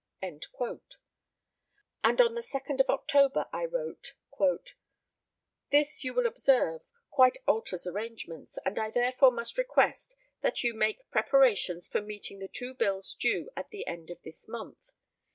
On the 2nd of October I wrote: "This, you will observe, quite alters arrangements, and I therefore must request that you make preparations for meeting the two bills due at the end of this month....